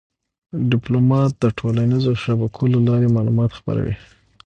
ډيپلومات د ټولنیزو شبکو له لارې معلومات خپروي.